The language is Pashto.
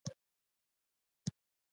د بخار انجن یې دړې وړې کړ.